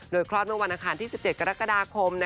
คลอดเมื่อวันอาคารที่๑๗กรกฎาคม